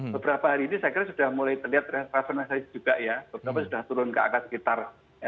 beberapa hari ini saya kira sudah mulai terlihat rasionalisasi juga ya beberapa sudah turun ke angka sekitar